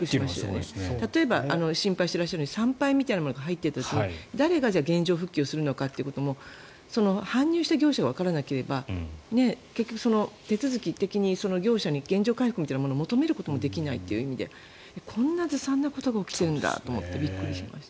例えば心配していらっしゃるように産廃みたいなのが入っていたら誰が原状復帰をするのかということも搬入した業者がわからなければ結局、手続き的に業者に原状回復を求めることもできないということでこんなずさんなことが起きているんだと思ってびっくりしました。